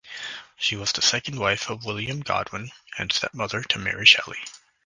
She was the second wife of William Godwin and stepmother to Mary Shelley.